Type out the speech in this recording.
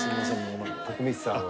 徳光さんは。